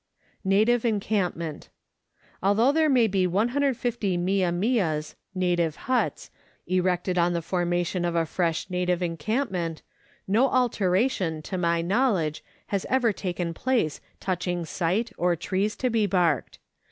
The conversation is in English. Native Encampment. Although there may be 150 mia mias (native huts) erected on the formation of a fresh native encamp ment, no altercation, to my knowledge, has ever taken place touching site, or trees to be barked.